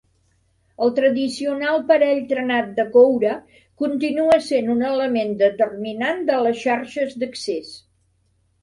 El tradicional parell trenat de coure continua sent un element determinant de les xarxes d'accés.